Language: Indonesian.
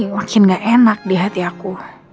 makin gak enak di hati aku